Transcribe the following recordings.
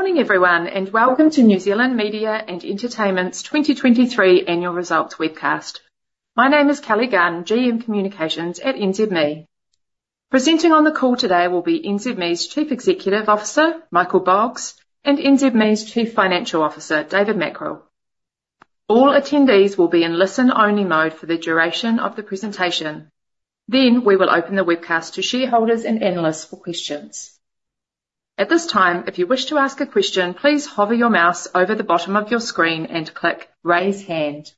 Good morning, everyone, and welcome to New Zealand Media and Entertainment's 2023 Annual Results Webcast. My name is Kelly Gunn, GM Communications at NZME. Presenting on the call today will be NZME's Chief Executive Officer, Michael Boggs, and NZME's Chief Financial Officer, David Mackrell. All attendees will be in listen-only mode for the duration of the presentation. Then we will open the webcast to shareholders and analysts for questions. At this time, if you wish to ask a question, please hover your mouse over the bottom of your screen and click Raise Hand.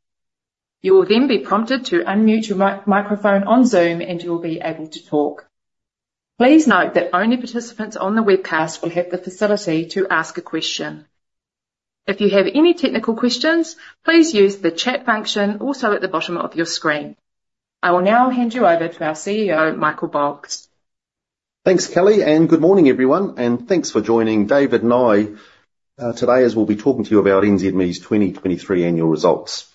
You will then be prompted to unmute your microphone on Zoom, and you'll be able to talk. Please note that only participants on the webcast will have the facility to ask a question. If you have any technical questions, please use the chat function also at the bottom of your screen. I will now hand you over to our CEO, Michael Boggs. Thanks, Kelly, and good morning, everyone, and thanks for joining David and I today as we'll be talking to you about NZME's 2023 Annual Results.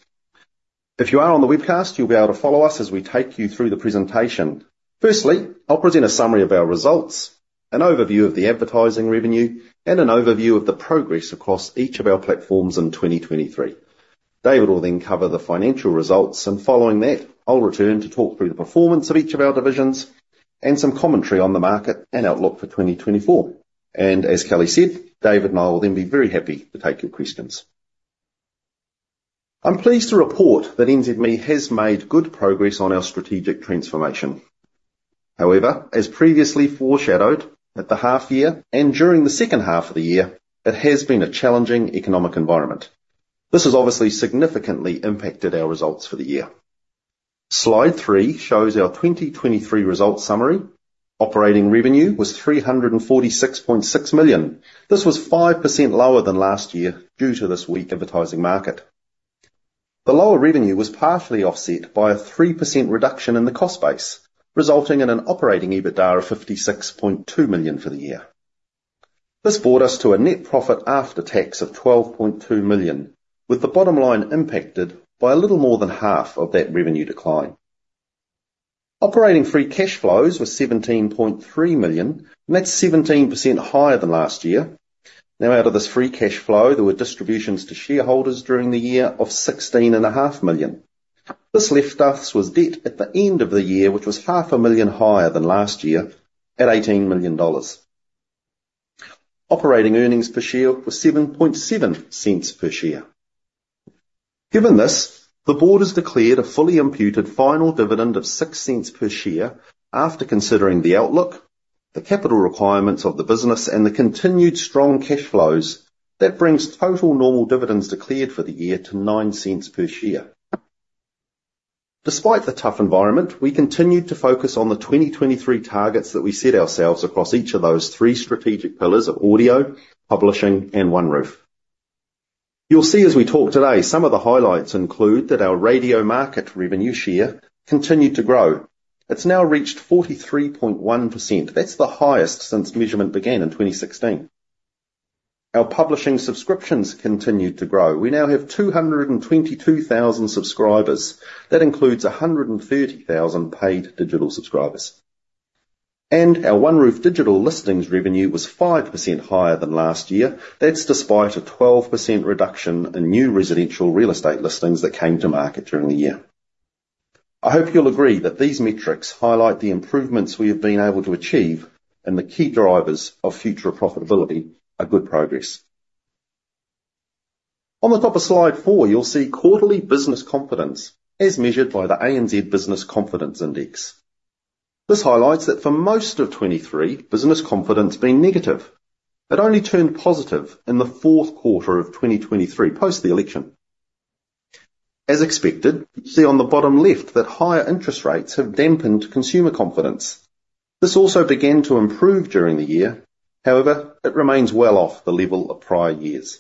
If you are on the webcast, you'll be able to follow us as we take you through the presentation. Firstly, I'll present a summary of our results, an overview of the advertising revenue, and an overview of the progress across each of our platforms in 2023. David will then cover the financial results, and following that, I'll return to talk through the performance of each of our divisions and some commentary on the market and outlook for 2024. And as Kelly said, David and I will then be very happy to take your questions. I'm pleased to report that NZME has made good progress on our strategic transformation. However, as previously foreshadowed, at the half-year and during the second half of the year, it has been a challenging economic environment. This has obviously significantly impacted our results for the year. Slide three shows our 2023 results summary. Operating revenue was 346.6 million. This was 5% lower than last year due to this weak advertising market. The lower revenue was partially offset by a 3% reduction in the cost base, resulting in an operating EBITDA of 56.2 million for the year. This brought us to a net profit after tax of 12.2 million, with the bottom line impacted by a little more than half of that revenue decline. Operating Free Cash Flows were 17.3 million, and that's 17% higher than last year. Now, out of this Free Cash Flow, there were distributions to shareholders during the year of 16.5 million. This left us with debt at the end of the year, which was 500,000 higher than last year at 18 million dollars. Operating earnings per share were 0.077 per share. Given this, the board has declared a fully imputed final dividend of 0.06 per share after considering the outlook, the capital requirements of the business, and the continued strong cash flows. That brings total normal dividends declared for the year to 0.09 per share. Despite the tough environment, we continued to focus on the 2023 targets that we set ourselves across each of those three strategic pillars of audio, publishing, and OneRoof. You'll see as we talk today, some of the highlights include that our radio market revenue share continued to grow. It's now reached 43.1%. That's the highest since measurement began in 2016. Our publishing subscriptions continued to grow. We now have 222,000 subscribers. That includes 130,000 paid digital subscribers. Our OneRoof digital listings revenue was 5% higher than last year. That's despite a 12% reduction in new residential real estate listings that came to market during the year. I hope you'll agree that these metrics highlight the improvements we have been able to achieve and the key drivers of future profitability are good progress. On the top of Slide four, you'll see quarterly business confidence as measured by the ANZ Business Confidence Index. This highlights that for most of 2023, business confidence has been negative. It only turned positive in the fourth quarter of 2023 post the election. As expected, you see on the bottom left that higher interest rates have dampened consumer confidence. This also began to improve during the year. However, it remains well off the level of prior years.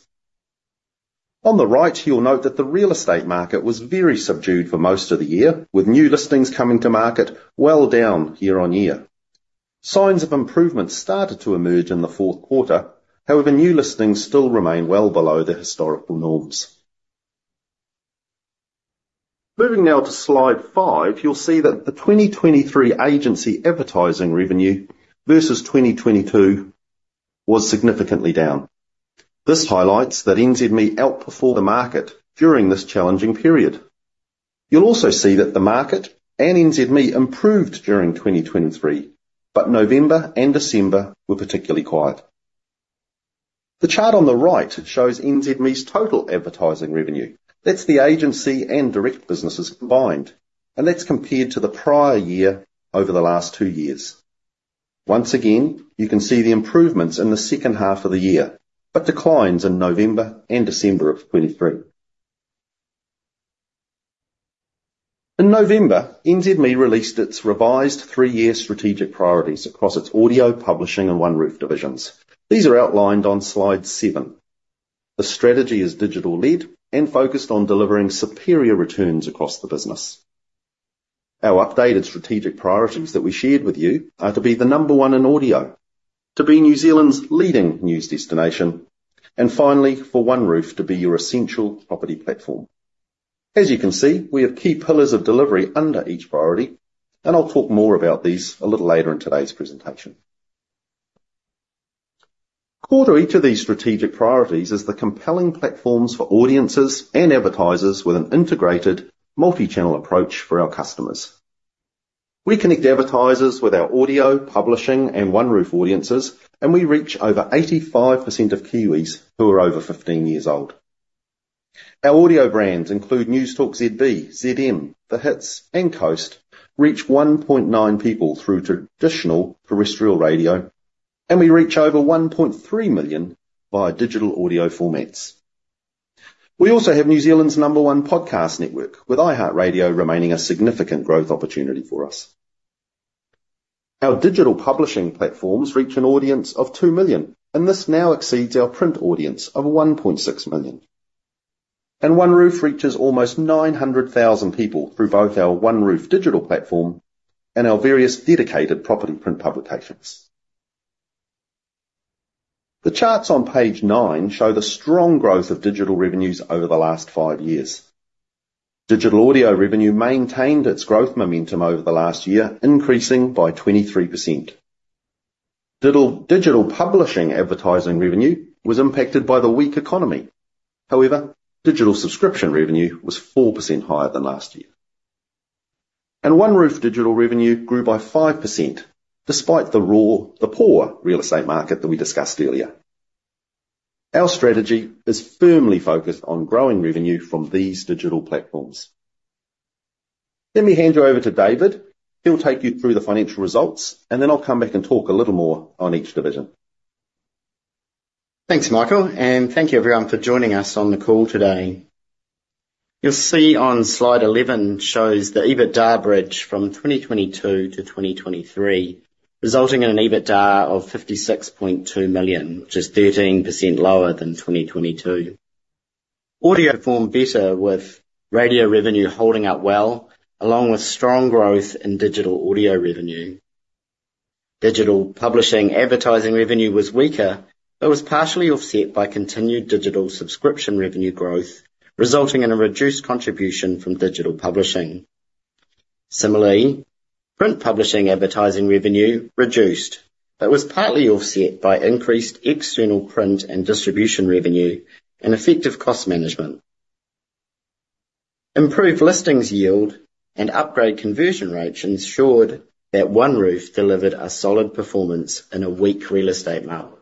On the right, you'll note that the real estate market was very subdued for most of the year, with new listings coming to market well down year-on-year. Signs of improvement started to emerge in the fourth quarter. However, new listings still remain well below the historical norms. Moving now to slide five, you'll see that the 2023 agency advertising revenue versus 2022 was significantly down. This highlights that NZME outperformed the market during this challenging period. You'll also see that the market and NZME improved during 2023, but November and December were particularly quiet. The chart on the right shows NZME's total advertising revenue. That's the agency and direct businesses combined, and that's compared to the prior year over the last two years. Once again, you can see the improvements in the second half of the year, but declines in November and December of 2023. In November, NZME released its revised three-year strategic priorities across its audio, publishing, and OneRoof divisions. These are outlined on slide seven. The strategy is digital-led and focused on delivering superior returns across the business. Our updated strategic priorities that we shared with you are to be the number one in audio, to be New Zealand's leading news destination, and finally, for OneRoof to be your essential property platform. As you can see, we have key pillars of delivery under each priority, and I'll talk more about these a little later in today's presentation. Core to each of these strategic priorities is the compelling platforms for audiences and advertisers with an integrated multi-channel approach for our customers. We connect advertisers with our audio, publishing, and OneRoof audiences, and we reach over 85% of Kiwis who are over 15 years old. Our audio brands include Newstalk ZB, ZM, The Hits, and Coast, reach 1.9 million people through traditional terrestrial radio, and we reach over 1.3 million via digital audio formats. We also have New Zealand's number one podcast network, with iHeartRadio remaining a significant growth opportunity for us. Our digital publishing platforms reach an audience of two million, and this now exceeds our print audience of 1.6 million. OneRoof reaches almost 900,000 people through both our OneRoof digital platform and our various dedicated property print publications. The charts on page nine show the strong growth of digital revenues over the last five years. Digital audio revenue maintained its growth momentum over the last year, increasing by 23%. Digital publishing advertising revenue was impacted by the weak economy. However, digital subscription revenue was 4% higher than last year. OneRoof digital revenue grew by 5% despite the poor real estate market that we discussed earlier. Our strategy is firmly focused on growing revenue from these digital platforms. Let me hand you over to David. He'll take you through the financial results, and then I'll come back and talk a little more on each division. Thanks, Michael, and thank you, everyone, for joining us on the call today. You'll see on slide 11 shows the EBITDA bridge from 2022 to 2023, resulting in an EBITDA of 56.2 million, which is 13% lower than 2022. Audio performed better, with radio revenue holding up well along with strong growth in digital audio revenue. Digital publishing advertising revenue was weaker, but was partially offset by continued digital subscription revenue growth, resulting in a reduced contribution from digital publishing. Similarly, print publishing advertising revenue reduced, but was partly offset by increased external print and distribution revenue and effective cost management. Improved listings yield and upgrade conversion rates ensured that OneRoof delivered a solid performance in a weak real estate market.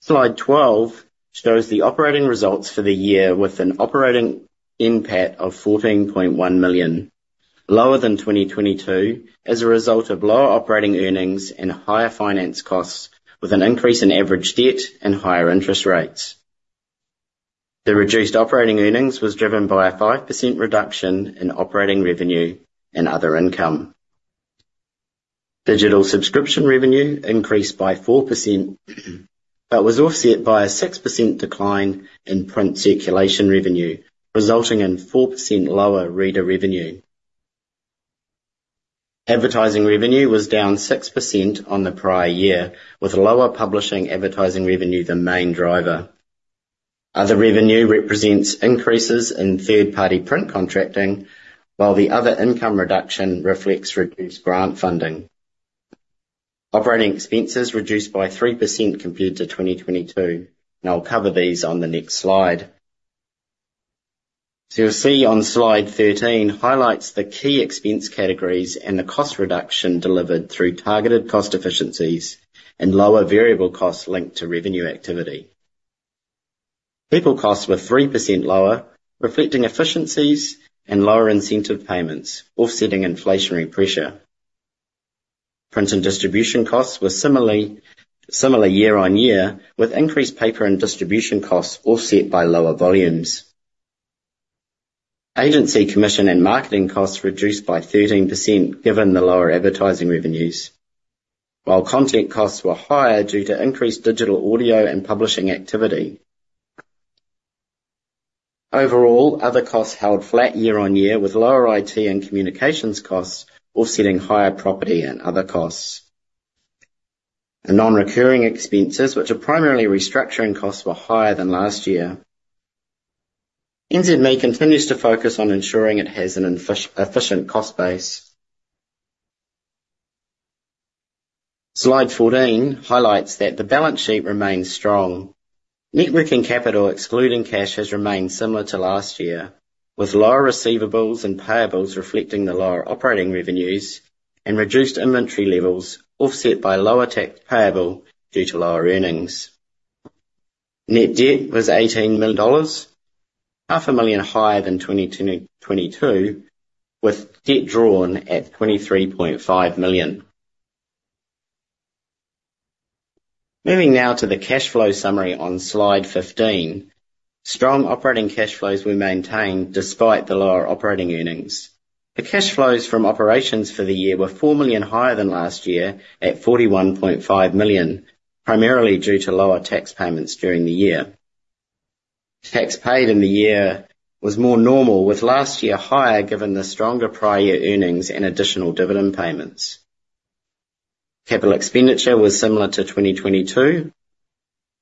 Slide 12 shows the operating results for the year with an operating NPAT of 14.1 million, lower than 2022 as a result of lower operating earnings and higher finance costs, with an increase in average debt and higher interest rates. The reduced operating earnings were driven by a 5% reduction in operating revenue and other income. Digital subscription revenue increased by 4% but was offset by a 6% decline in print circulation revenue, resulting in 4% lower reader revenue. Advertising revenue was down 6% on the prior year, with lower publishing advertising revenue the main driver. Other revenue represents increases in third-party print contracting, while the other income reduction reflects reduced grant funding. Operating expenses reduced by 3% compared to 2022, and I'll cover these on the next slide. So you'll see on slide 13 highlights the key expense categories and the cost reduction delivered through targeted cost efficiencies and lower variable costs linked to revenue activity. People costs were 3% lower, reflecting efficiencies and lower incentive payments, offsetting inflationary pressure. Print and distribution costs were similar year-on-year, with increased paper and distribution costs offset by lower volumes. Agency commission and marketing costs reduced by 13% given the lower advertising revenues, while content costs were higher due to increased digital audio and publishing activity. Overall, other costs held flat year-on-year, with lower IT and communications costs offsetting higher property and other costs. And non-recurring expenses, which are primarily restructuring costs, were higher than last year. NZME continues to focus on ensuring it has an efficient cost base. Slide 14 highlights that the balance sheet remains strong. Net Working Capital excluding cash has remained similar to last year, with lower receivables and payables reflecting the lower operating revenues and reduced inventory levels offset by lower tax payable due to lower earnings. Net debt was 18 million dollars, 500,000 higher than 2022, with debt drawn at 23.5 million. Moving now to the cash flow summary on slide 15, strong operating cash flows were maintained despite the lower operating earnings. The cash flows from operations for the year were 4 million higher than last year at 41.5 million, primarily due to lower tax payments during the year. Tax paid in the year was more normal, with last year higher given the stronger prior year earnings and additional dividend payments. Capital expenditure was similar to 2022,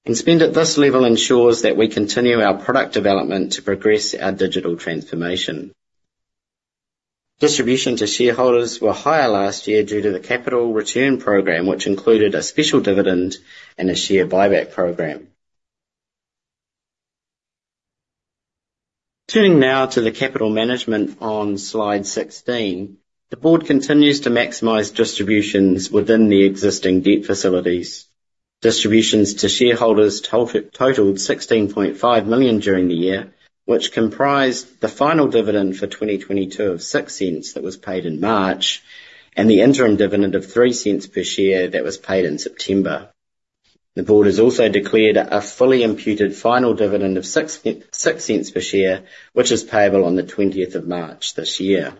and spend at this level ensures that we continue our product development to progress our digital transformation. Distributions to shareholders were higher last year due to the capital return program, which included a special dividend and a share buyback program. Turning now to the capital management on slide 16, the board continues to maximize distributions within the existing debt facilities. Distributions to shareholders totaled 16.5 million during the year, which comprised the final dividend for 2022 of 0.06 that was paid in March and the interim dividend of 0.03 per share that was paid in September. The board has also declared a fully imputed final dividend of 0.06 per share, which is payable on the 20th of March this year.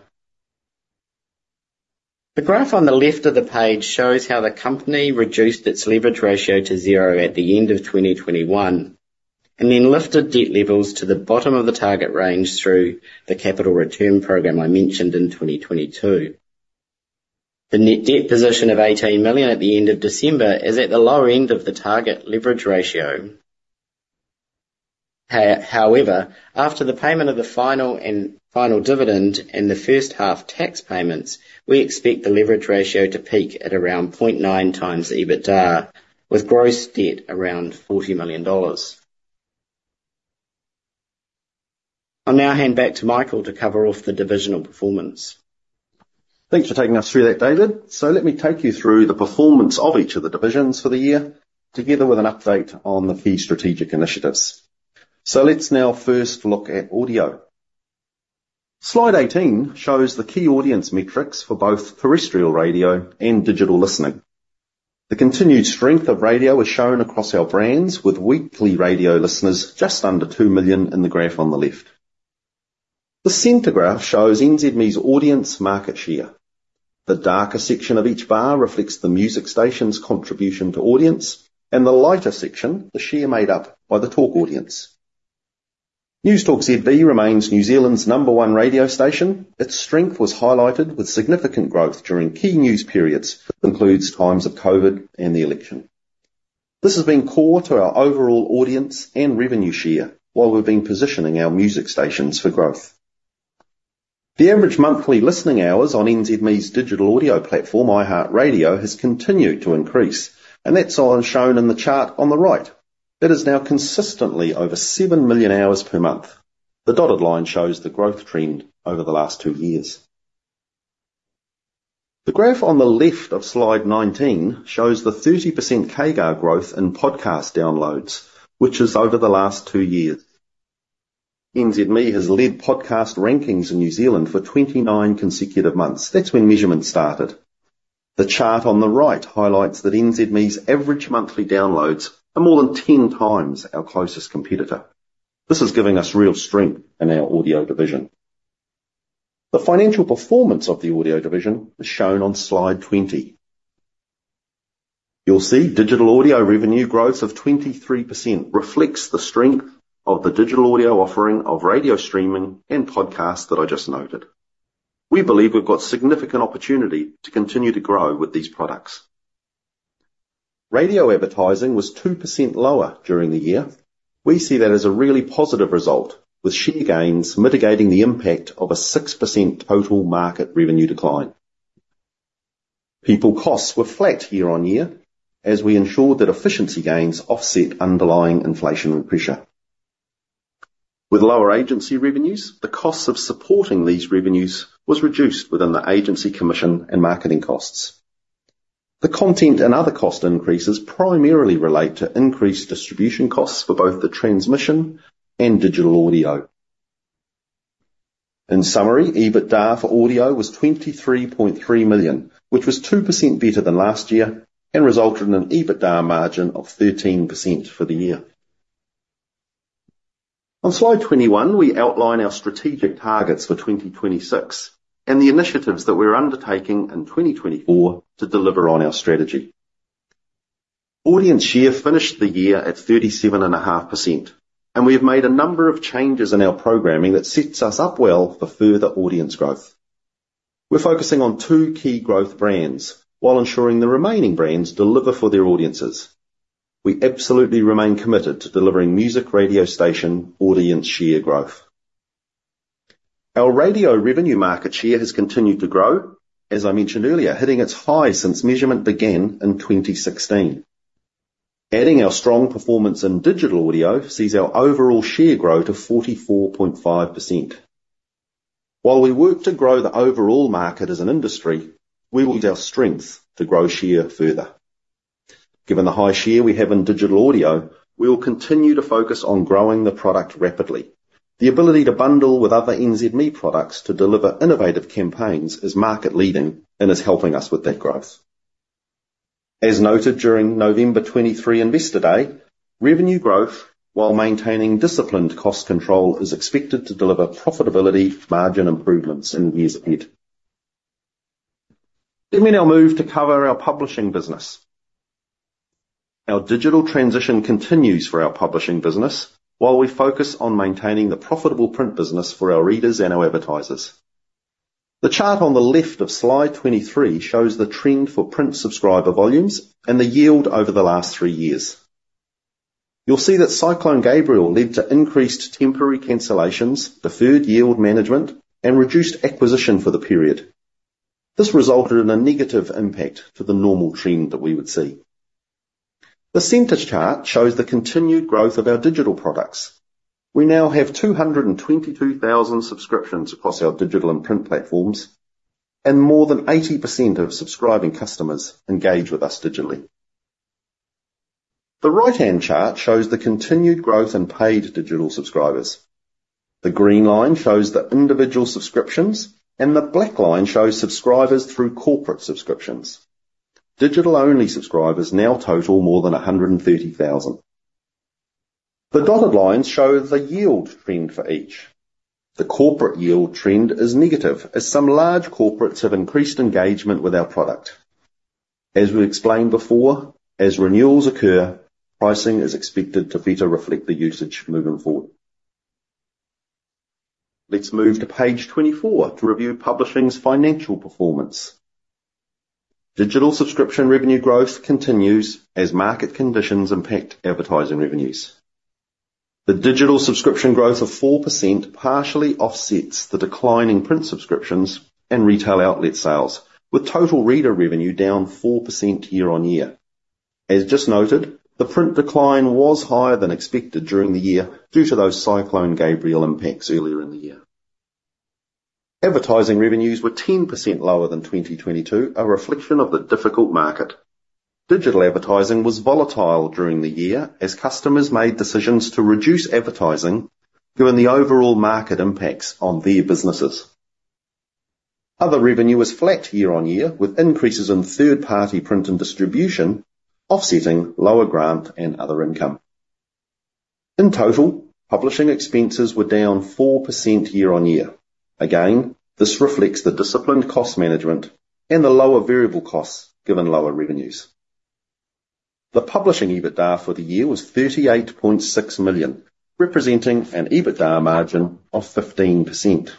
The graph on the left of the page shows how the company reduced its Leverage Ratio to zero at the end of 2021 and then lifted debt levels to the bottom of the target range through the capital return program I mentioned in 2022. The net debt position of 18 million at the end of December is at the lower end of the target leverage ratio. However, after the payment of the final dividend and the first half tax payments, we expect the leverage ratio to peak at around 0.9 times EBITDA, with gross debt around 40 million dollars. I'll now hand back to Michael to cover off the divisional performance. Thanks for taking us through that, David. So let me take you through the performance of each of the divisions for the year together with an update on the key strategic initiatives. So let's now first look at audio. Slide 18 shows the key audience metrics for both terrestrial radio and digital listening. The continued strength of radio is shown across our brands, with weekly radio listeners just under 2 million in the graph on the left. The center graph shows NZME's audience market share. The darker section of each bar reflects the music station's contribution to audience, and the lighter section, the share made up by the talk audience. Newstalk ZB remains New Zealand's number one radio station. Its strength was highlighted with significant growth during key news periods, which includes times of COVID and the election. This has been core to our overall audience and revenue share while we've been positioning our music stations for growth. The average monthly listening hours on NZME's digital audio platform, iHeartRadio, has continued to increase, and that's shown in the chart on the right. It is now consistently over 7 million hours per month. The dotted line shows the growth trend over the last two years. The graph on the left of slide 19 shows the 30% CAGR growth in podcast downloads, which is over the last two years. NZME has led podcast rankings in New Zealand for 29 consecutive months. That's when measurement started. The chart on the right highlights that NZME's average monthly downloads are more than 10 times our closest competitor. This is giving us real strength in our audio division. The financial performance of the audio division is shown on slide 20. You'll see digital audio revenue growth of 23% reflects the strength of the digital audio offering of radio streaming and podcasts that I just noted. We believe we've got significant opportunity to continue to grow with these products. Radio advertising was 2% lower during the year. We see that as a really positive result, with share gains mitigating the impact of a 6% total market revenue decline. People costs were flat year-on-year as we ensured that efficiency gains offset underlying inflationary pressure. With lower agency revenues, the costs of supporting these revenues were reduced within the agency commission and marketing costs. The content and other cost increases primarily relate to increased distribution costs for both the transmission and digital audio. In summary, EBITDA for audio was 23.3 million, which was 2% better than last year and resulted in an EBITDA margin of 13% for the year. On slide 21, we outline our strategic targets for 2026 and the initiatives that we're undertaking in 2024 to deliver on our strategy. Audience share finished the year at 37.5%, and we have made a number of changes in our programming that sets us up well for further audience growth. We're focusing on two key growth brands while ensuring the remaining brands deliver for their audiences. We absolutely remain committed to delivering music radio station audience share growth. Our radio revenue market share has continued to grow, as I mentioned earlier, hitting its high since measurement began in 2016. Adding our strong performance in digital audio sees our overall share grow to 44.5%. While we work to grow the overall market as an industry, we will use our strength to grow share further. Given the high share we have in digital audio, we will continue to focus on growing the product rapidly. The ability to bundle with other NZME products to deliver innovative campaigns is market-leading and is helping us with that growth. As noted during November 23 Investor Day, revenue growth, while maintaining disciplined cost control, is expected to deliver profitability margin improvements in years ahead. Let me now move to cover our publishing business. Our digital transition continues for our publishing business while we focus on maintaining the profitable print business for our readers and our advertisers. The chart on the left of slide 23 shows the trend for print subscriber volumes and the yield over the last three years. You'll see that Cyclone Gabriellele led to increased temporary cancellations, deferred yield management, and reduced acquisition for the period. This resulted in a negative impact to the normal trend that we would see. The percentage chart shows the continued growth of our digital products. We now have 222,000 subscriptions across our digital and print platforms, and more than 80% of subscribing customers engage with us digitally. The right-hand chart shows the continued growth in paid digital subscribers. The green line shows the individual subscriptions, and the black line shows subscribers through corporate subscriptions. Digital-only subscribers now total more than 130,000. The dotted lines show the yield trend for each. The corporate yield trend is negative as some large corporates have increased engagement with our product. As we explained before, as renewals occur, pricing is expected to better reflect the usage moving forward. Let's move to page 24 to review publishing's financial performance. Digital subscription revenue growth continues as market conditions impact advertising revenues. The digital subscription growth of 4% partially offsets the declining print subscriptions and retail outlet sales, with total reader revenue down 4% year-on-year. As just noted, the print decline was higher than expected during the year due to those Cyclone Gabriellele impacts earlier in the year. Advertising revenues were 10% lower than 2022, a reflection of the difficult market. Digital advertising was volatile during the year as customers made decisions to reduce advertising given the overall market impacts on their businesses. Other revenue was flat year-on-year with increases in third-party print and distribution, offsetting lower grant and other income. In total, publishing expenses were down 4% year-on-year. Again, this reflects the disciplined cost management and the lower variable costs given lower revenues. The publishing EBITDA for the year was 38.6 million, representing an EBITDA margin of 15%.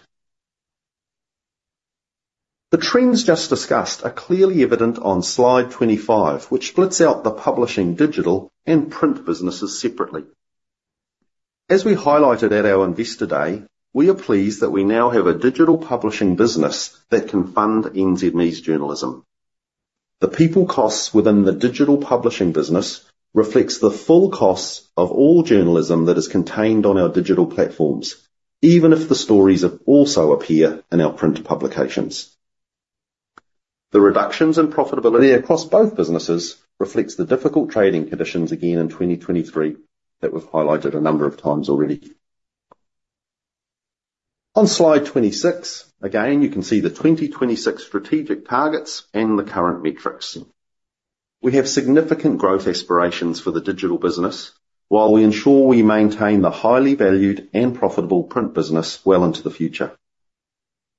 The trends just discussed are clearly evident on slide 25, which splits out the publishing digital and print businesses separately. As we highlighted at our Investor Day, we are pleased that we now have a digital publishing business that can fund NZME's journalism. The people costs within the digital publishing business reflect the full costs of all journalism that is contained on our digital platforms, even if the stories also appear in our print publications. The reductions in profitability across both businesses reflect the difficult trading conditions again in 2023 that we've highlighted a number of times already. On slide 26, again, you can see the 2026 strategic targets and the current metrics. We have significant growth aspirations for the digital business while we ensure we maintain the highly valued and profitable print business well into the future.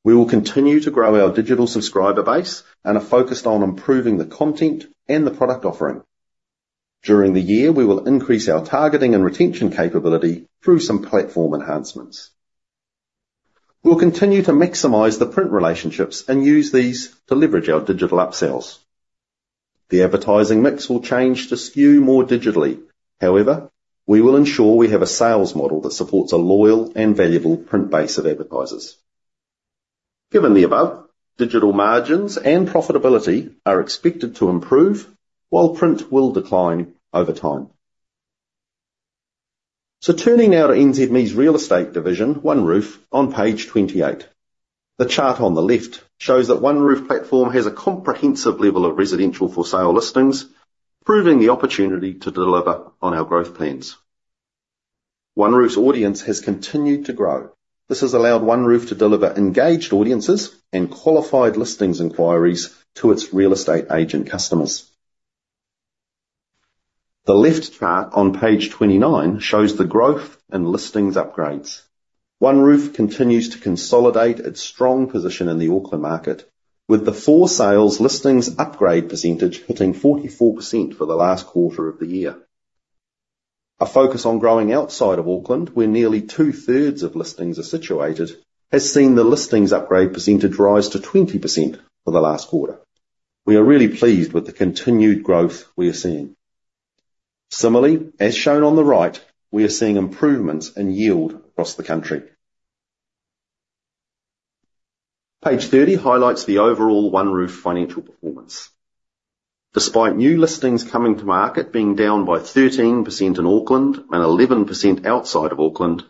We will continue to grow our digital subscriber base and are focused on improving the content and the product offering. During the year, we will increase our targeting and retention capability through some platform enhancements. We'll continue to maximize the print relationships and use these to leverage our digital upsales. The advertising mix will change to skew more digitally. However, we will ensure we have a sales model that supports a loyal and valuable print base of advertisers. Given the above, digital margins and profitability are expected to improve while print will decline over time. Turning now to NZME's real estate division, OneRoof, on page 28. The chart on the left shows that OneRoof platform has a comprehensive level of residential for sale listings, proving the opportunity to deliver on our growth plans. OneRoof's audience has continued to grow. This has allowed OneRoof to deliver engaged audiences and qualified listings inquiries to its real estate agent customers. The left chart on page 29 shows the growth and listings upgrades. OneRoof continues to consolidate its strong position in the Auckland market, with the four sales listings upgrade percentage hitting 44% for the last quarter of the year. A focus on growing outside of Auckland, where nearly two-thirds of listings are situated, has seen the listings upgrade percentage rise to 20% for the last quarter. We are really pleased with the continued growth we are seeing. Similarly, as shown on the right, we are seeing improvements in yield across the country. Page 30 highlights the overall OneRoof financial performance. Despite new listings coming to market being down by 13% in Auckland and 11% outside of Auckland,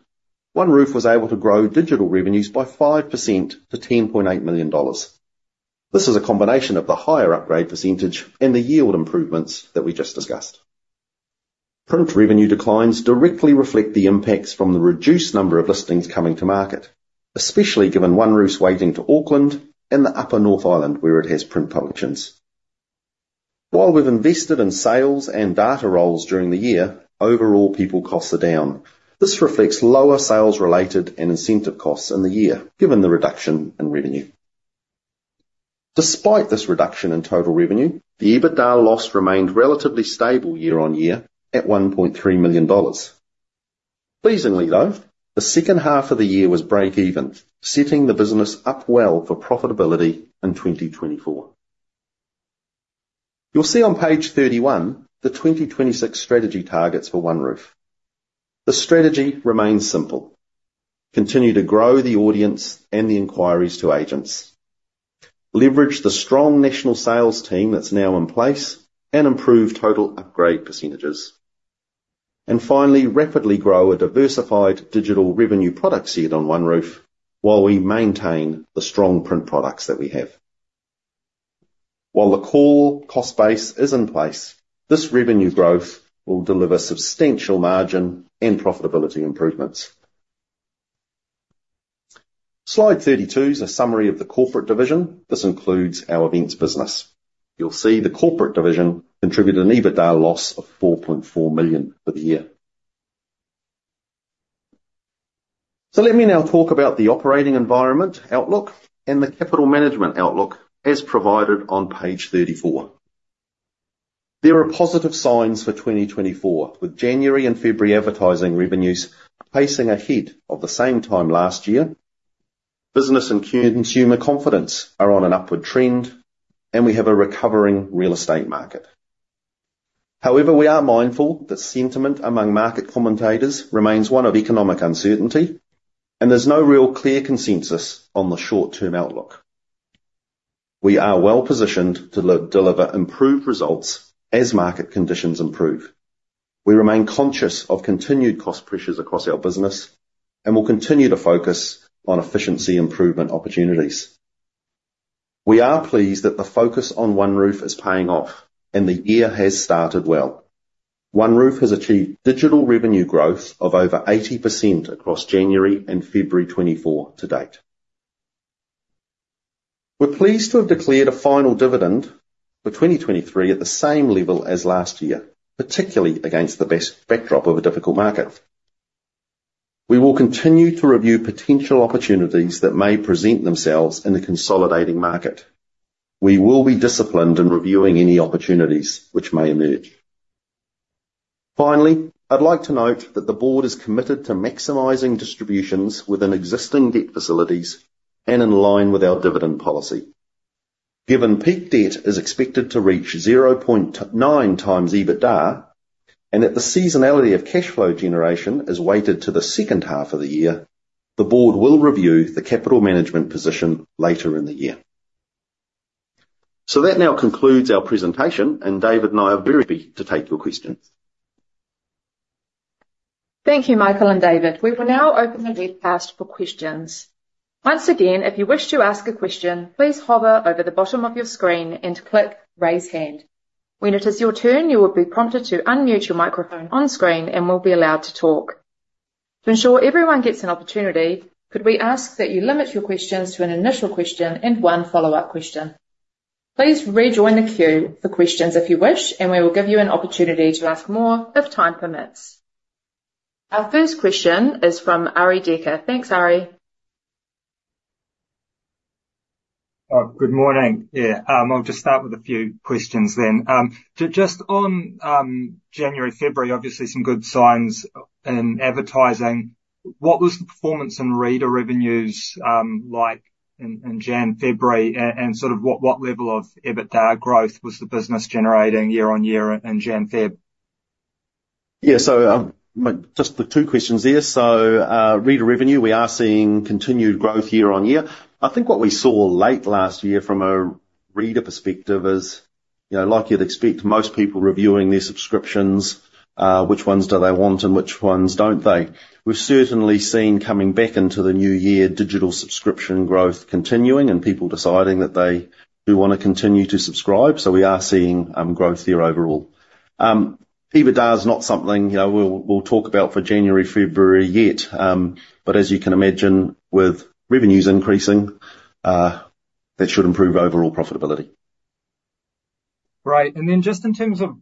OneRoof was able to grow digital revenues by 5% to 10.8 million dollars. This is a combination of the higher upgrade percentage and the yield improvements that we just discussed. Print revenue declines directly reflect the impacts from the reduced number of listings coming to market, especially given OneRoof's weighting to Auckland and the upper North Island where it has print publications. While we've invested in sales and data roles during the year, overall people costs are down. This reflects lower sales-related and incentive costs in the year given the reduction in revenue. Despite this reduction in total revenue, the EBITDA loss remained relatively stable year-on-year at 1.3 million dollars. Pleasingly, though, the second half of the year was break-even, setting the business up well for profitability in 2024. You'll see on page 31 the 2026 strategy targets for OneRoof. The strategy remains simple: continue to grow the audience and the inquiries to agents, leverage the strong national sales team that's now in place, and improve total upgrade percentages. And finally, rapidly grow a diversified digital revenue product seed on OneRoof while we maintain the strong print products that we have. While the core cost base is in place, this revenue growth will deliver substantial margin and profitability improvements. Slide 32 is a summary of the corporate division. This includes our events business. You'll see the corporate division contributed an EBITDA loss of 4.4 million for the year. So let me now talk about the operating environment outlook and the capital management outlook as provided on page 34. There are positive signs for 2024, with January and February advertising revenues pacing ahead of the same time last year. Business and consumer confidence are on an upward trend, and we have a recovering real estate market. However, we are mindful that sentiment among market commentators remains one of economic uncertainty, and there's no real clear consensus on the short-term outlook. We are well positioned to deliver improved results as market conditions improve. We remain conscious of continued cost pressures across our business and will continue to focus on efficiency improvement opportunities. We are pleased that the focus on OneRoof is paying off, and the year has started well. OneRoof has achieved digital revenue growth of over 80% across January and February 2024 to date. We're pleased to have declared a final dividend for 2023 at the same level as last year, particularly against the backdrop of a difficult market. We will continue to review potential opportunities that may present themselves in the consolidating market. We will be disciplined in reviewing any opportunities which may emerge. Finally, I'd like to note that the board is committed to maximizing distributions within existing debt facilities and in line with our dividend policy. Given peak debt is expected to reach 0.9 times EBITDA and that the seasonality of cash flow generation is weighted to the second half of the year, the board will review the capital management position later in the year. So that now concludes our presentation, and David and I are very happy to take your questions. Thank you, Michael and David. We will now open the webcast for questions. Once again, if you wish to ask a question, please hover over the bottom of your screen and click Raise Hand. When it is your turn, you will be prompted to unmute your microphone on screen and will be allowed to talk. To ensure everyone gets an opportunity, could we ask that you limit your questions to an initial question and one follow-up question? Please rejoin the queue for questions if you wish, and we will give you an opportunity to ask more if time permits. Our first question is from Arie Dekker. Thanks, Arie. Good morning. Yeah. I'll just start with a few questions then. Just on January, February, obviously some good signs in advertising. What was the performance in reader revenues like in January/February, and sort of what level of EBITDA growth was the business generating year on year in January/February? Yeah. So just the two questions there. So reader revenue, we are seeing continued growth year on year. I think what we saw late last year from a reader perspective is, like you'd expect, most people reviewing their subscriptions, which ones do they want and which ones don't they? We've certainly seen coming back into the new year digital subscription growth continuing and people deciding that they do want to continue to subscribe. So we are seeing growth there overall. EBITDA is not something we'll talk about for January, February yet. But as you can imagine, with revenues increasing, that should improve overall profitability. Right. And then just in terms of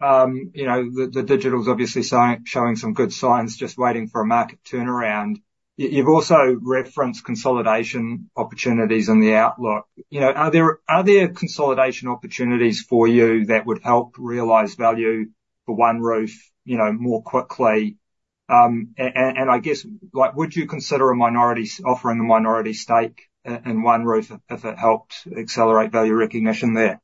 OneRoof, the digital's obviously showing some good signs just waiting for a market turnaround. You've also referenced consolidation opportunities in the outlook. Are there consolidation opportunities for you that would help realize value for OneRoof more quickly? And I guess, would you consider offering a minority stake in OneRoof if it helped accelerate value recognition there?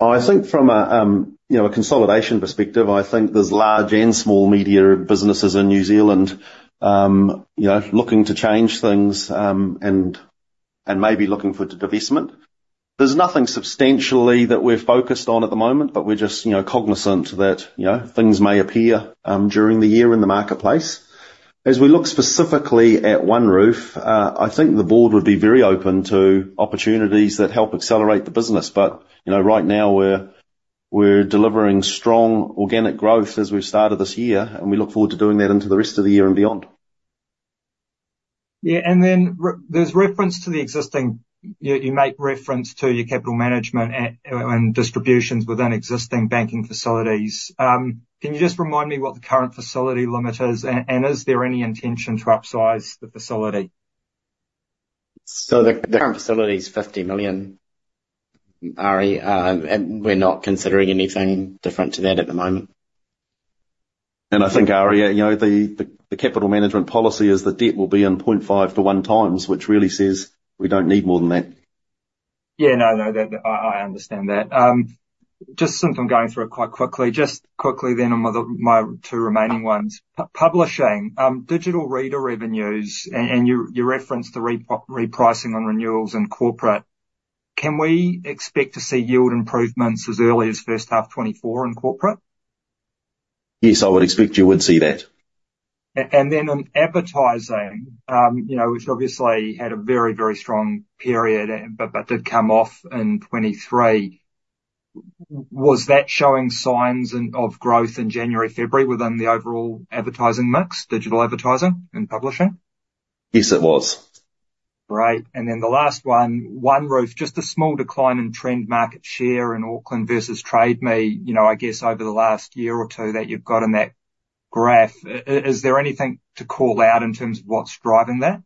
I think from a consolidation perspective, I think there's large and small media businesses in New Zealand looking to change things and maybe looking for divestment. There's nothing substantially that we're focused on at the moment, but we're just cognizant that things may appear during the year in the marketplace. As we look specifically at OneRoof, I think the board would be very open to opportunities that help accelerate the business. But right now, we're delivering strong organic growth as we've started this year, and we look forward to doing that into the rest of the year and beyond. Yeah. And then there's reference to the existing you make reference to your capital management and distributions within existing banking facilities. Can you just remind me what the current facility limit is, and is there any intention to upsize the facility? So the current facility is 50 million, Arie, and we're not considering anything different to that at the moment. I think, Arie, the capital management policy is the debt will be in 0.5-1 times, which really says we don't need more than that. Yeah. No, no. I understand that. Just since I'm going through it quite quickly, just quickly then on my two remaining ones. Publishing, digital reader revenues, and you referenced the repricing on renewals in corporate. Can we expect to see yield improvements as early as first half 2024 in corporate? Yes. I would expect you would see that. And then in advertising, which obviously had a very, very strong period but did come off in 2023, was that showing signs of growth in January, February within the overall advertising mix, digital advertising and publishing? Yes, it was. Great. And then the last one, OneRoof, just a small decline in trend market share in Auckland versus Trade Me, I guess, over the last year or two that you've got in that graph. Is there anything to call out in terms of what's driving that?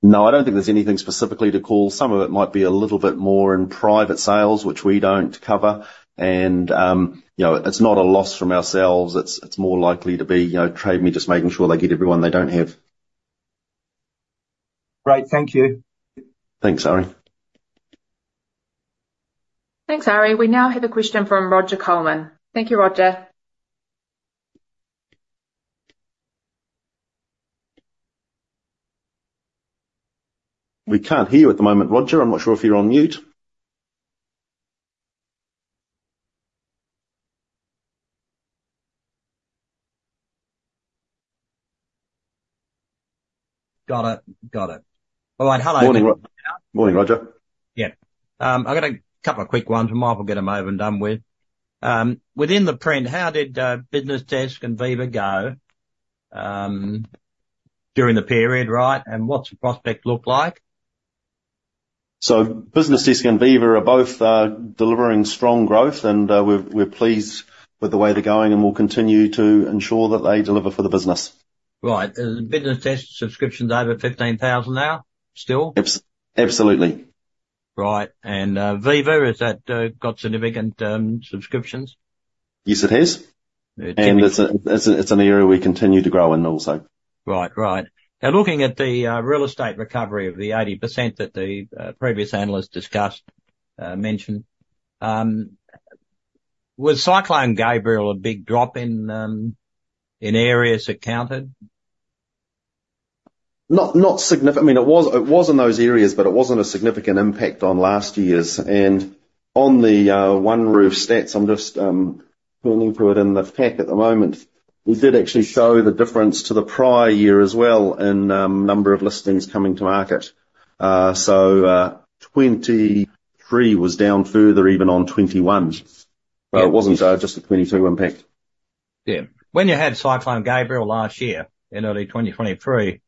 No, I don't think there's anything specifically to call. Some of it might be a little bit more in private sales, which we don't cover. And it's not a loss from ourselves. It's more likely to be Trade Me just making sure they get everyone they don't have. Great. Thank you. Thanks, Arie. Thanks, ari. We now have a question from Roger Colman. Thank you, Roger. We can't hear you at the moment, Roger. I'm not sure if you're on mute. Got it. Got it. All right. Hello. Morning, Roger. Yeah. I've got a couple of quick ones, and Michael will get them over and done with. Within the print, how did BusinessDesk and Vivago during the period, right? And what's the prospect look like? So BusinessDesk and Vivago are both delivering strong growth, and we're pleased with the way they're going, and we'll continue to ensure that they deliver for the business. Right. Is BusinessDesk's subscriptions over 15,000 now still? Absolutely. Right. And Viva, has that got significant subscriptions? Yes, it has. And it's an area we continue to grow in also. Right. Right. Now, looking at the real estate recovery of the 80% that the previous analyst discussed, mentioned, was Cyclone Gabrielle a big drop in areas it counted? I mean, it was in those areas, but it wasn't a significant impact on last year's. On the OneRoof stats, I'm just turning through it in the pack at the moment, we did actually show the difference to the prior year as well in number of listings coming to market. So 2023 was down further even on 2021, but it wasn't just a 2022 impact. Yeah. When you had Cyclone Gabriellele last year in early 2023,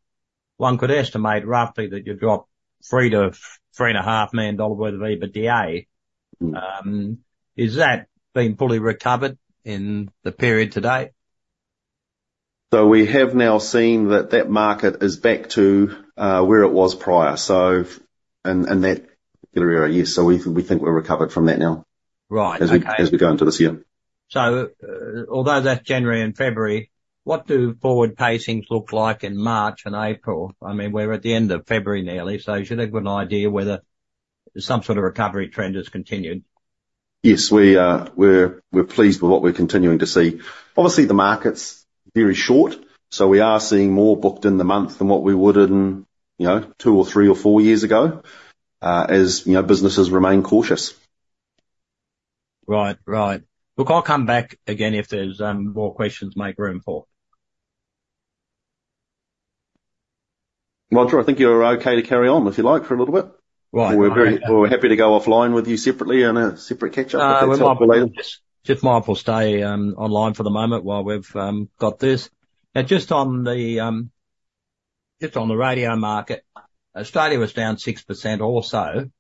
one could estimate roughly that you dropped 3 million-3.5 million dollar worth of EBITDA. Is that been fully recovered in the period to date? So we have now seen that that market is back to where it was prior, so in that particular area, yes. So we think we're recovered from that now as we go into this year. So although that's January and February, what do forward pacings look like in March and April? I mean, we're at the end of February nearly, so you should have a good idea whether some sort of recovery trend has continued. Yes. We're pleased with what we're continuing to see. Obviously, the market's very short, so we are seeing more booked in the month than what we would in two or three or four years ago as businesses remain cautious. Right. Right. Look, I'll come back again if there's more questions make room for. Roger, I think you're okay to carry on if you like for a little bit. We're happy to go offline with you separately in a separate catch-up if that's helpful later. Just Michael will stay online for the moment while we've got this. Now, just on the radio market, Australia was down 6% also.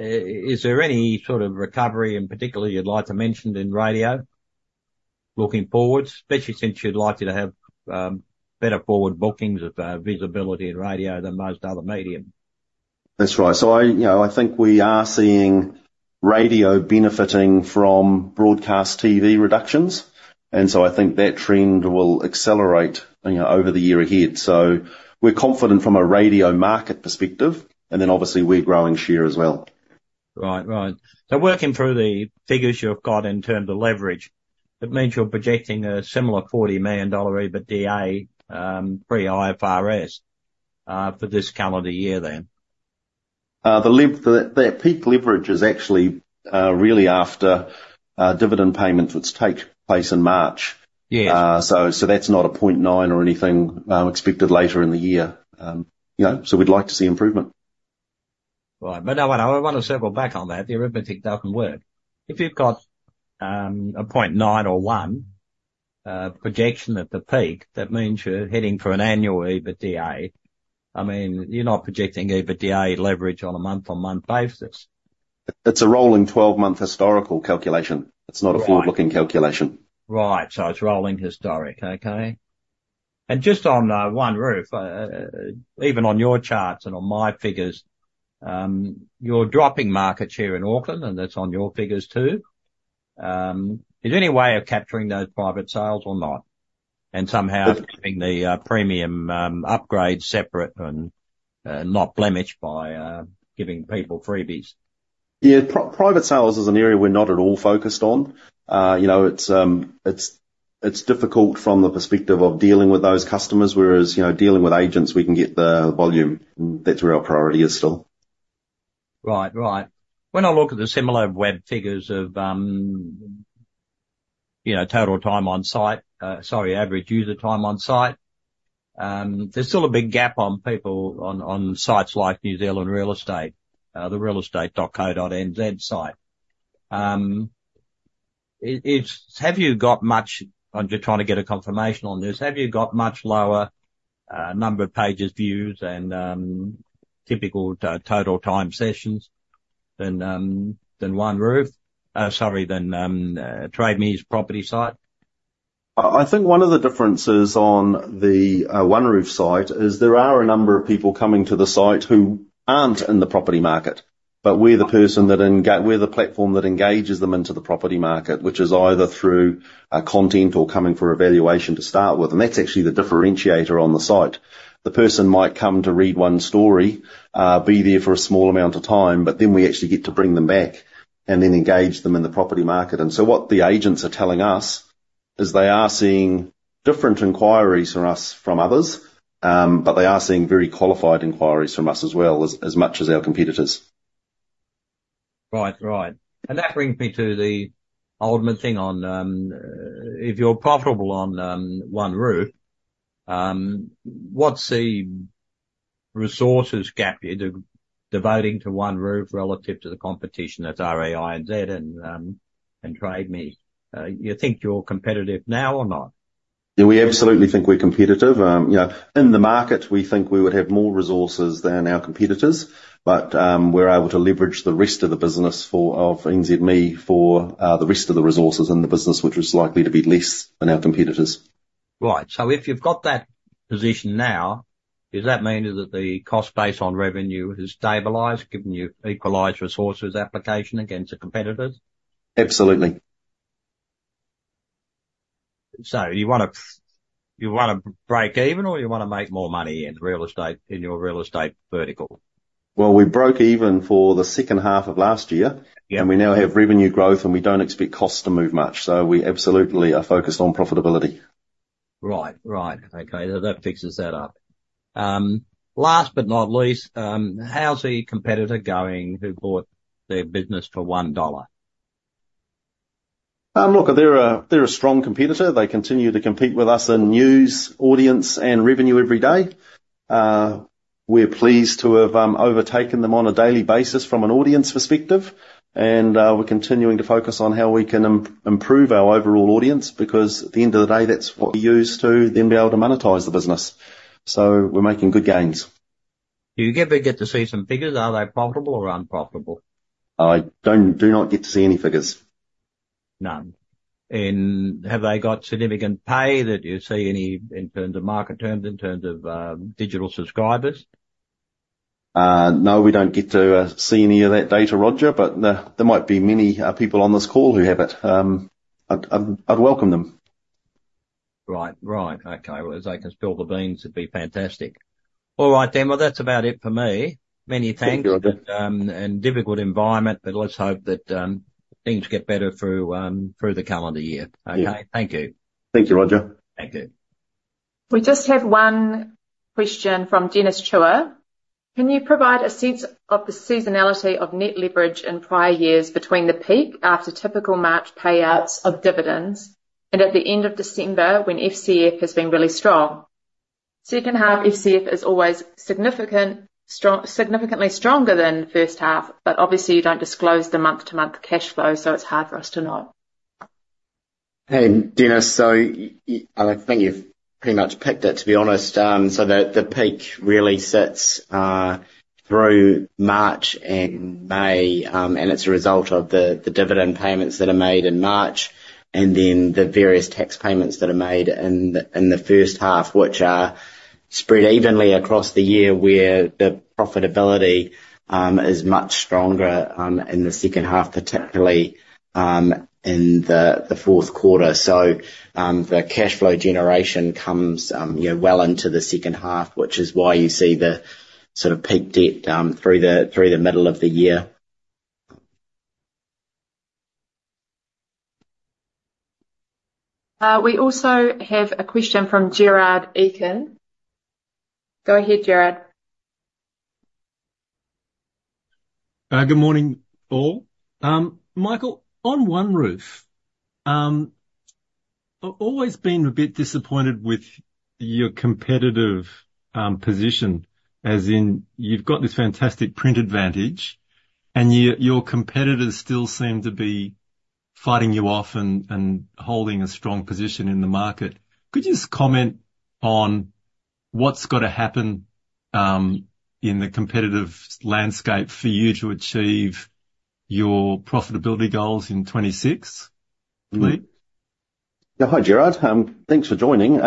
Is there any sort of recovery in particular you'd like to mention in radio looking forwards, especially since you'd like it to have better forward bookings of visibility in radio than most other media? That's right. So I think we are seeing radio benefiting from broadcast TV reductions, and so I think that trend will accelerate over the year ahead. So we're confident from a radio market perspective, and then obviously, we're growing share as well. Right. Right. So working through the figures you've got in terms of leverage, it means you're projecting a similar 40 million dollar EBITDA pre-IFRS for this calendar year then. The peak leverage is actually really after dividend payments which take place in March. So that's not a 0.9 or anything expected later in the year. So we'd like to see improvement. Right. But I want to circle back on that. The arithmetic doesn't work. If you've got a 0.9 or 1 projection at the peak, that means you're heading for an annual EBITDA. I mean, you're not projecting EBITDA leverage on a month-over-month basis. It's a rolling 12-month historical calculation. It's not a forward-looking calculation. Right. So it's rolling historical, okay? And just on OneRoof, even on your charts and on my figures, you're dropping market share in Auckland, and that's on your figures too. Is there any way of capturing those private sales or not and somehow keeping the premium upgrade separate and not blemished by giving people freebies? Yeah. Private sales is an area we're not at all focused on. It's difficult from the perspective of dealing with those customers, whereas dealing with agents, we can get the volume, and that's where our priority is still. Right. Right. When I look at the similar web figures of total time on site, sorry, average user time on site, there's still a big gap on sites like New Zealand Real Estate, the realestate.co.nz site. Have you got much? I'm just trying to get a confirmation on this. Have you got much lower number of pages viewed and typical total time sessions than OneRoof, sorry, than Trade Me's property site? I think one of the differences on the OneRoof site is there are a number of people coming to the site who aren't in the property market, but we're the person that we're the platform that engages them into the property market, which is either through content or coming for evaluation to start with. That's actually the differentiator on the site. The person might come to read one story, be there for a small amount of time, but then we actually get to bring them back and then engage them in the property market. So what the agents are telling us is they are seeing different inquiries from us from others, but they are seeing very qualified inquiries from us as well as much as our competitors. Right. Right. That brings me to the old thing on if you're profitable on OneRoof, what's the resources gap you're devoting to OneRoof relative to the competition that's REINZ and Trade Me? You think you're competitive now or not? Yeah. We absolutely think we're competitive. In the market, we think we would have more resources than our competitors, but we're able to leverage the rest of the business of NZME for the rest of the resources in the business, which is likely to be less than our competitors. Right. So if you've got that position now, does that mean that the cost base on revenue has stabilized, given you equalised resources application against the competitors? Absolutely. So you want to break even, or you want to make more money in your real estate vertical? Well, we broke even for the second half of last year, and we now have revenue growth, and we don't expect costs to move much. So we absolutely are focused on profitability. Right. Right. Okay. That fixes that up. Last but not least, how's the competitor going who bought their business for 1 dollar? Look, they're a strong competitor. They continue to compete with us in news, audience, and revenue every day. We're pleased to have overtaken them on a daily basis from an audience perspective, and we're continuing to focus on how we can improve our overall audience because at the end of the day, that's what we use to then be able to monetize the business. So we're making good gains. Do you get to see some figures? Are they profitable or unprofitable? I do not get to see any figures. None. And have they got significant paywall that you see in terms of market terms, in terms of digital subscribers? No, we don't get to see any of that data, Roger, but there might be many people on this call who have it. I'd welcome them. Right. Right. Okay. Well, as they can spill the beans, it'd be fantastic. All right then. Well, that's about it for me. Many thanks. Difficult environment, but let's hope that things get better through the calendar year, okay? Thank you. Thank you, Roger. Thank you. We just have one question from Dennis Chua. Can you provide a sense of the seasonality of net leverage in prior years between the peak after typical March payouts of dividends and at the end of December when FCF has been really strong? Second half, FCF is always significantly stronger than first half, but obviously, you don't disclose the month-to-month cash flow, so it's hard for us to know. Hey, Dennis. So I think you've pretty much picked it, to be honest. So the peak really sits through March and May, and it's a result of the dividend payments that are made in March and then the various tax payments that are made in the first half, which are spread evenly across the year where the profitability is much stronger in the second half, particularly in the fourth quarter. So the cash flow generation comes well into the second half, which is why you see the sort of peak debt through the middle of the year. We also have a question from Gerard Eakin. Go ahead, Gerard. Good morning, Paul. Michael, on OneRoof, I've always been a bit disappointed with your competitive position, as in you've got this fantastic print advantage, and your competitors still seem to be fighting you off and holding a strong position in the market. Could you just comment on what's got to happen in the competitive landscape for you to achieve your profitability goals in 2026, please? Yeah. Hi, Gerard. Thanks for joining.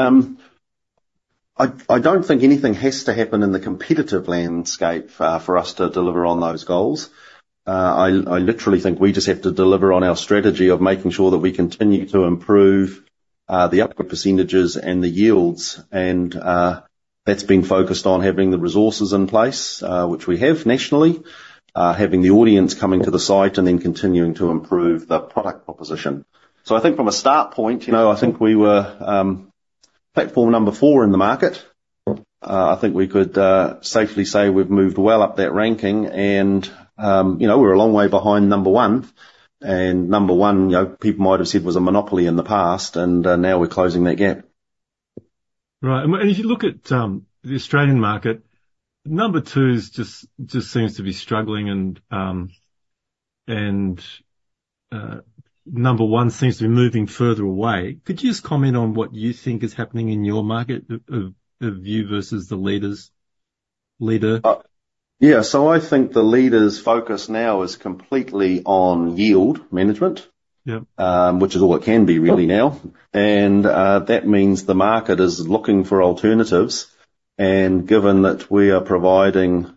I don't think anything has to happen in the competitive landscape for us to deliver on those goals. I literally think we just have to deliver on our strategy of making sure that we continue to improve the upward percentages and the yields. And that's been focused on having the resources in place, which we have nationally, having the audience coming to the site, and then continuing to improve the product proposition. So I think from a start point, I think we were platform number four in the market. I think we could safely say we've moved well up that ranking, and we're a long way behind number one. Number one, people might have said was a monopoly in the past, and now we're closing that gap. Right. If you look at the Australian market, number two just seems to be struggling, and number one seems to be moving further away. Could you just comment on what you think is happening in your market, a view versus the leader? Yeah. So I think the leader's focus now is completely on yield management, which is all it can be really now. That means the market is looking for alternatives. Given that we are providing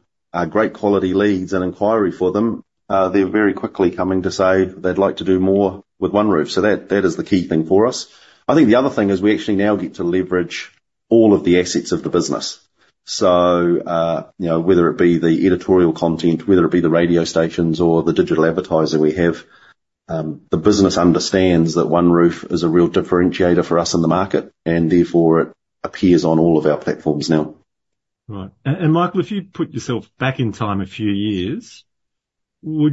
great quality leads and inquiry for them, they're very quickly coming to say they'd like to do more with OneRoof. So that is the key thing for us. I think the other thing is we actually now get to leverage all of the assets of the business. So whether it be the editorial content, whether it be the radio stations or the digital advertiser we have, the business understands that OneRoof is a real differentiator for us in the market, and therefore, it appears on all of our platforms now. Right. And Michael, if you put yourself back in time a few years, and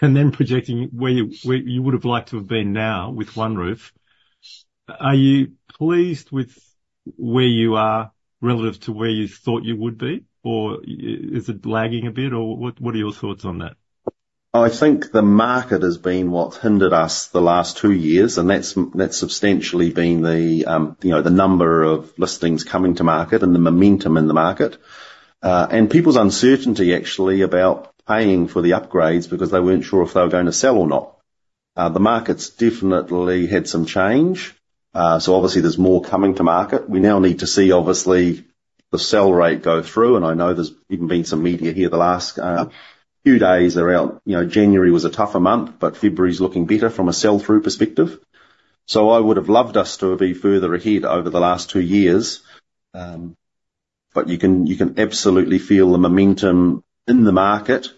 then projecting where you would have liked to have been now with OneRoof, are you pleased with where you are relative to where you thought you would be, or is it lagging a bit? Or what are your thoughts on that? I think the market has been what's hindered us the last two years, and that's substantially been the number of listings coming to market and the momentum in the market and people's uncertainty, actually, about paying for the upgrades because they weren't sure if they were going to sell or not. The market's definitely had some change. So obviously, there's more coming to market. We now need to see, obviously, the sell rate go through. And I know there's even been some media here the last few days around January was a tougher month, but February's looking better from a sell-through perspective. So I would have loved us to have been further ahead over the last two years. But you can absolutely feel the momentum in the market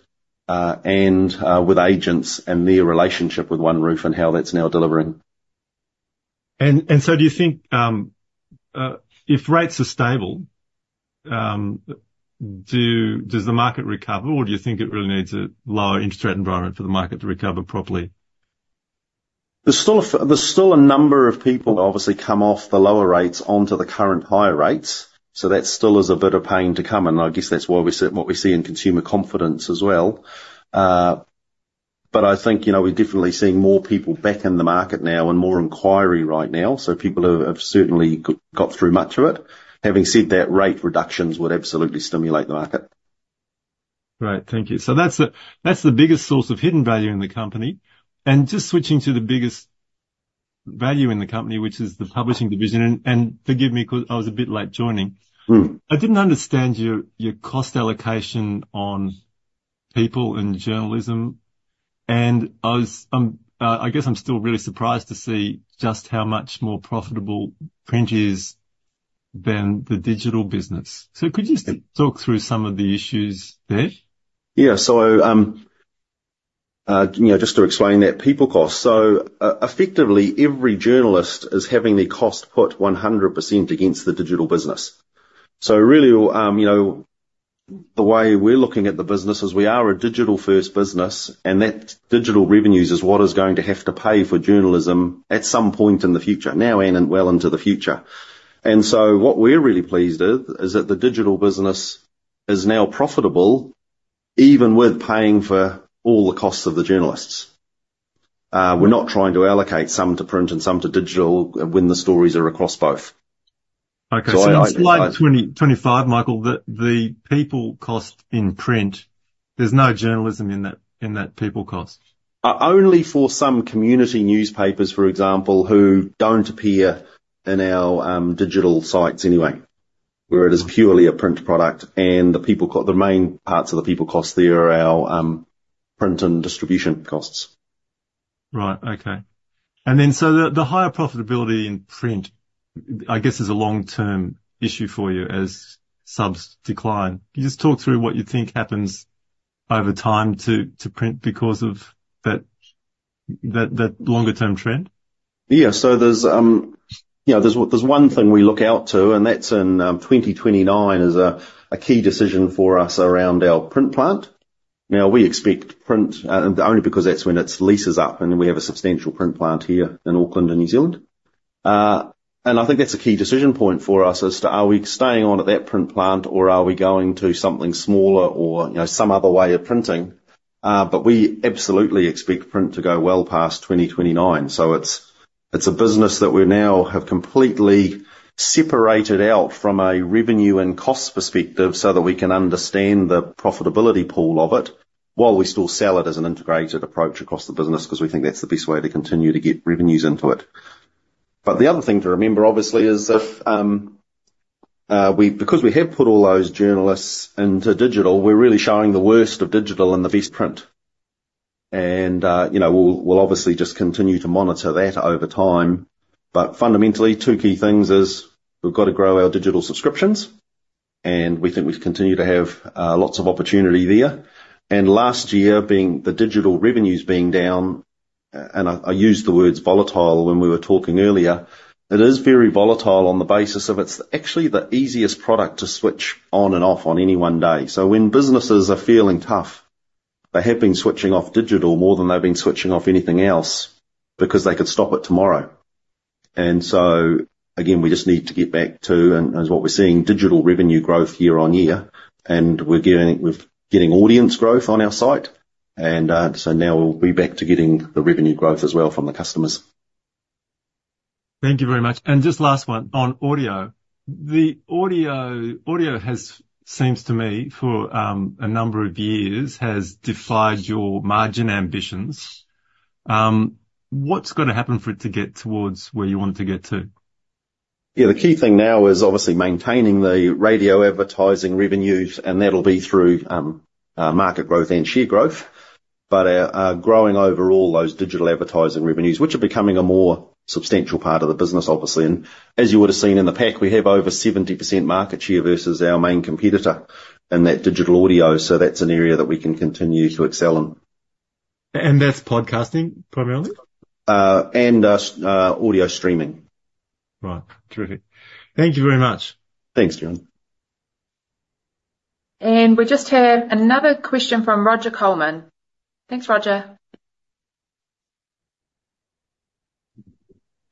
and with agents and their relationship with OneRoof and how that's now delivering. And so do you think if rates are stable, does the market recover, or do you think it really needs a lower interest rate environment for the market to recover properly? There's still a number of people, obviously, come off the lower rates onto the current higher rates. So that still is a bit of pain to come. And I guess that's why we see what we see in consumer confidence as well. But I think we're definitely seeing more people back in the market now and more inquiry right now. So people have certainly got through much of it. Having said that, rate reductions would absolutely stimulate the market. Right. Thank you. So that's the biggest source of hidden value in the company. And just switching to the biggest value in the company, which is the publishing division and forgive me because I was a bit late joining. I didn't understand your cost allocation on people and journalism. And I guess I'm still really surprised to see just how much more profitable print is than the digital business. So could you just talk through some of the issues there? Yeah. So just to explain that, people cost. So effectively, every journalist is having their cost put 100% against the digital business. So really, the way we're looking at the business is we are a digital-first business, and that digital revenues is what is going to have to pay for journalism at some point in the future, now and well into the future. And so what we're really pleased with is that the digital business is now profitable even with paying for all the costs of the journalists. We're not trying to allocate some to print and some to digital when the stories are across both. Okay. So it's like 2025, Michael, the people cost in print. There's no journalism in that people cost. Only for some community newspapers, for example, who don't appear in our digital sites anyway, where it is purely a print product. The main parts of the people cost there are our print and distribution costs. Right. Okay. Then so the higher profitability in print, I guess, is a long-term issue for you as subs decline. Can you just talk through what you think happens over time to print because of that longer-term trend? Yeah. So there's one thing we look out to, and that's in 2029 is a key decision for us around our print plant. Now, we expect print only because that's when its lease is up, and we have a substantial print plant here in Auckland, New Zealand. And I think that's a key decision point for us as to are we staying on at that print plant, or are we going to something smaller or some other way of printing? But we absolutely expect print to go well past 2029. So it's a business that we now have completely separated out from a revenue and cost perspective so that we can understand the profitability pool of it while we still sell it as an integrated approach across the business because we think that's the best way to continue to get revenues into it. But the other thing to remember, obviously, is because we have put all those journalists into digital, we're really showing the worst of digital and the best print. And we'll obviously just continue to monitor that over time. But fundamentally, two key things is we've got to grow our digital subscriptions, and we think we continue to have lots of opportunity there. And last year, the digital revenues being down, and I used the words volatile when we were talking earlier. It is very volatile on the basis that it's actually the easiest product to switch on and off on any one day. So when businesses are feeling tough, they have been switching off digital more than they've been switching off anything else because they could stop it tomorrow. And so again, we just need to get back to, as what we're seeing, digital revenue growth year-on-year. And we're getting audience growth on our site. And so now we'll be back to getting the revenue growth as well from the customers. Thank you very much. And just last one on audio. Audio seems to me, for a number of years, has defied your margin ambitions. What's going to happen for it to get towards where you want it to get to? Yeah. The key thing now is obviously maintaining the radio advertising revenues, and that'll be through market growth and share growth, but growing overall those digital advertising revenues, which are becoming a more substantial part of the business, obviously. And as you would have seen in the pack, we have over 70% market share versus our main competitor in that digital audio. So that's an area that we can continue to excel in. And that's podcasting primarily? And audio streaming. Right. Terrific. Thank you very much. Thanks, Gerard. And we just have another question from Roger Colman. Thanks, Roger.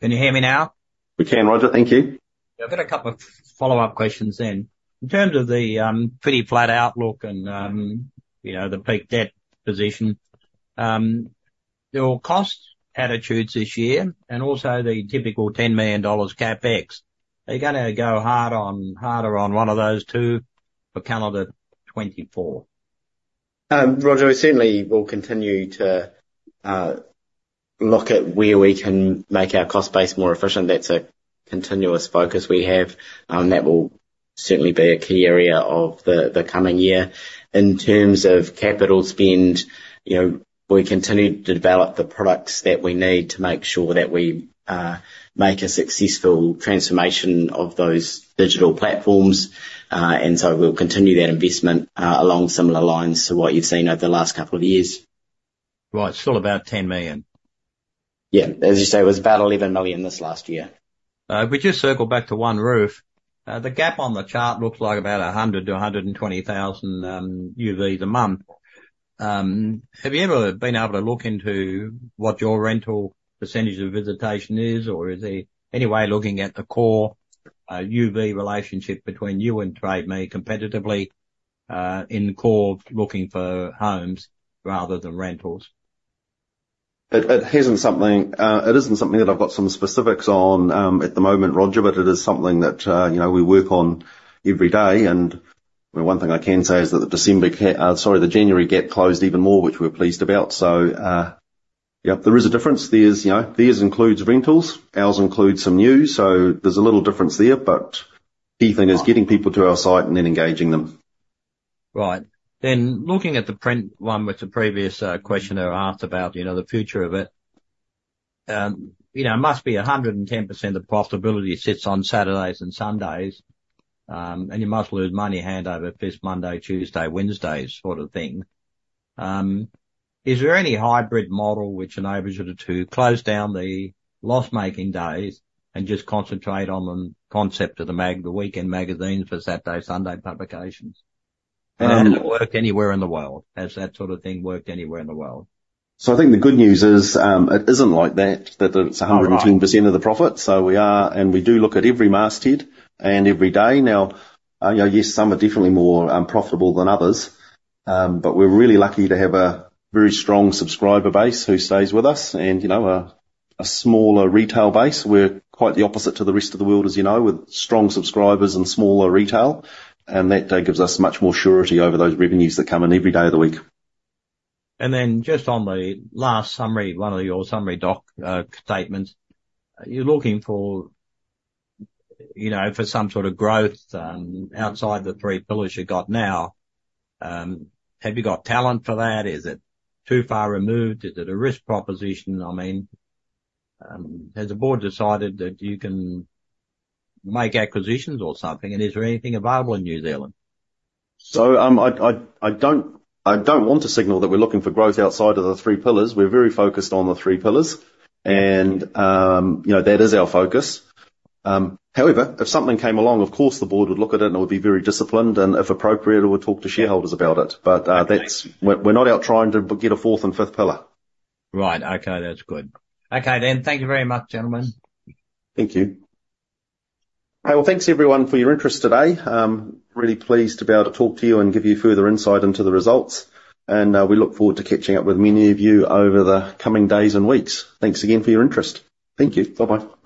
Can you hear me now? We can, Roger. Thank you. Yeah. I've got a couple of follow-up questions then. In terms of the pretty flat outlook and the peak debt position, your cost outlooks this year and also the typical 10 million dollars CapEx, are you going to go harder on one of those two for CY 2024? Roger, we certainly will continue to look at where we can make our cost base more efficient. That's a continuous focus we have. That will certainly be a key area of the coming year. In terms of capital spend, we continue to develop the products that we need to make sure that we make a successful transformation of those digital platforms. And so we'll continue that investment along similar lines to what you've seen over the last couple of years. Right. Still about 10 million. Yeah. As you say, it was about 11 million this last year. If we just circle back to OneRoof, the gap on the chart looks like about 100-120,000 UVs a month. Have you ever been able to look into what your rental percentage of visitation is, or is there any way looking at the core UV relationship between you and Trade Me competitively in the core looking for homes rather than rentals? It isn't something that I've got some specifics on at the moment, Roger, but it is something that we work on every day. And one thing I can say is that the December sorry, the January gap closed even more, which we're pleased about. So yeah, there is a difference. Theirs includes rentals. Ours includes some news. So there's a little difference there, but the key thing is getting people to our site and then engaging them. Right. Then, looking at the print one with the previous questionnaire asked about the future of it, it must be 110% of profitability sits on Saturdays and Sundays, and you must lose money hand over fist Monday, Tuesday, Wednesdays sort of thing. Is there any hybrid model which enables you to close down the loss-making days and just concentrate on the concept of the weekend magazines for Saturday, Sunday publications? And has that worked anywhere in the world? Has that sort of thing worked anywhere in the world? So, I think the good news is it isn't like that, that it's 110% of the profit. So we are, and we do look at every masthead and every day. Now, yes, some are definitely more profitable than others, but we're really lucky to have a very strong subscriber base who stays with us and a smaller retail base. We're quite the opposite to the rest of the world, as you know, with strong subscribers and smaller retail. That gives us much more surety over those revenues that come in every day of the week. Then just on the last summary, one of your summary doc statements, you're looking for some sort of growth outside the three pillars you've got now. Have you got appetite for that? Is it too far removed? Is it a risk proposition? I mean, has the board decided that you can make acquisitions or something? And is there anything available in New Zealand? So I don't want to signal that we're looking for growth outside of the three pillars. We're very focused on the three pillars, and that is our focus. However, if something came along, of course, the board would look at it, and it would be very disciplined. And if appropriate, it would talk to shareholders about it. But we're not out trying to get a fourth and fifth pillar. Right. Okay. That's good. Okay. Then thank you very much, gentlemen. Thank you. Hey, well, thanks, everyone, for your interest today. Really pleased to be able to talk to you and give you further insight into the results. And we look forward to catching up with many of you over the coming days and weeks. Thanks again for your interest. Thank you. Bye-bye.